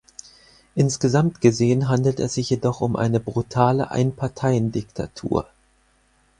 Insgesamt gesehen handelt es sich jedoch um eine brutale Einparteien-Diktatur.